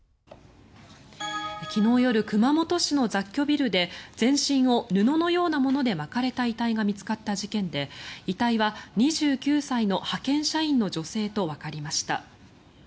昨日夜、熊本市の雑居ビルで全身を布のようなもので巻かれた遺体が見つかった事件で遺体は２９歳の派遣社員の女性とわかりました。